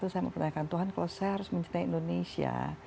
saya mempertanyakan tuhan kalau saya harus mencintai indonesia